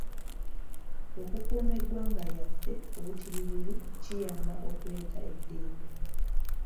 Okukuuma eggwanga lyaffe obutiribiri kiyamba okuleeta eddembe.